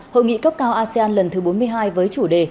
hội nghị cấp cao asean lần thứ bốn mươi hai với chủ đề